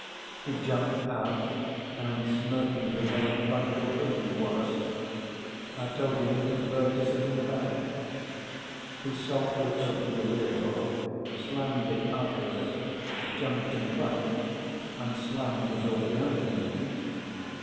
He jumped out and smirkingly held the front door open for us. I told him we preferred to sit in back. He sulkily opened the rear door, slammed it after us, jumped in front and slammed the door behind him.